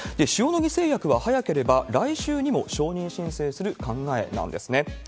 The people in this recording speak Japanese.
塩野義製薬は早ければ来週にも承認申請する考えなんですね。